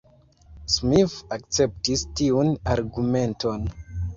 Smith akceptis tiun argumenton.